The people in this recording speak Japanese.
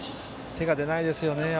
手が出ないですよね。